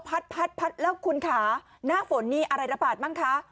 พัดพัดแล้วคุณค่ะหน้าฝนนี่อะไรระบาดบ้างคะ